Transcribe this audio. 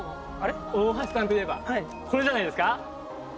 大橋さんといえばこれじゃないですか？